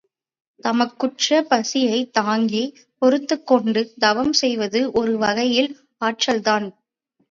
தமக்குற்ற பசியைத் தாங்கி, பொறுத்துக் கொண்டு தவம் செய்வது ஒரு வகையில் ஆற்றல்தான்.